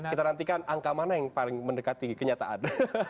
kita nantikan angka mana yang paling mendekati kenyataan